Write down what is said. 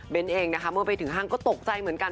เป็นเองนะคะเมื่อไปถึงห้างก็ตกใจเหมือนกัน